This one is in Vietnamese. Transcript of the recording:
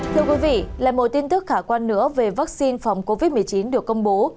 thưa quý vị là một tin tức khả quan nữa về vaccine phòng covid một mươi chín được công bố